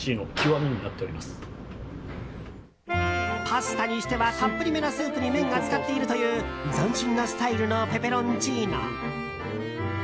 パスタにしてはたっぷりめなスープに麺が浸っているという斬新なスタイルのペペロンチーノ。